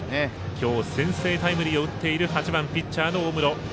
今日、先制タイムリーを打っている８番、ピッチャーの大室。